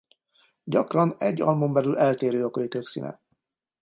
Gyakran egy almon belül eltérő a kölykök színe.